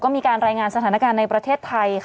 มีการรายงานสถานการณ์ในประเทศไทย